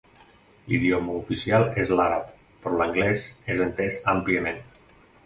L'idioma oficial és l'àrab, però l'anglès és entès àmpliament.